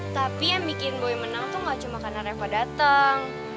tapi yang bikin boy menang tuh gak cuma karena reva datang